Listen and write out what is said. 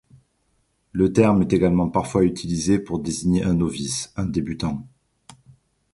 Le terme est également parfois utilisé pour désigner un novice, un débutant.